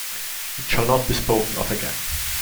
It shall not be spoken of again.